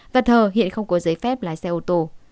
và thờ hiện không có giấy phép lái xe ô tô